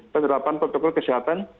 penerapan protokol kesehatan